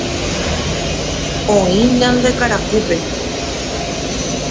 oĩ ñande karakúpe